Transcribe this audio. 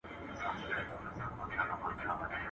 په يوه ماهي ټوله تالاو مردارېږي.